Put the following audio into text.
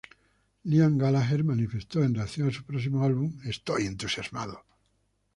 Liam Gallagher manifestó, en relación a su próximo álbum: "Estoy entusiasmado.